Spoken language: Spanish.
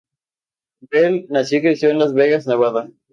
Bell nació y creció en Las Vegas, Nevada.